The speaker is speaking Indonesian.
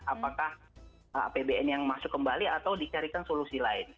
apakah apbn yang masuk kembali atau dicarikan solusi lain